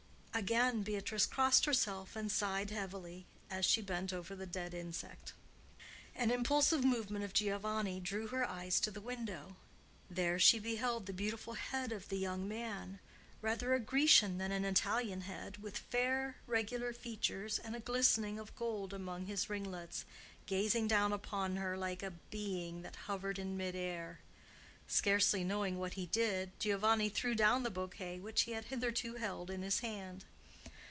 Again Beatrice crossed herself and sighed heavily as she bent over the dead insect. An impulsive movement of Giovanni drew her eyes to the window. There she beheld the beautiful head of the young man—rather a Grecian than an Italian head, with fair, regular features, and a glistening of gold among his ringlets—gazing down upon her like a being that hovered in mid air. Scarcely knowing what he did, Giovanni threw down the bouquet which he had hitherto held in his hand.